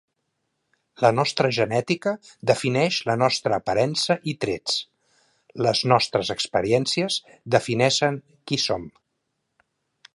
La nostra genètica defineix la nostra aparença i trets. Les nostres experiències defineixen qui som.